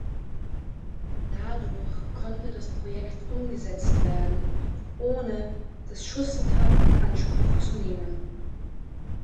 Dadurch konnte das Projekt umgesetzt werden, ohne das Schussental in Anspruch zu nehmen.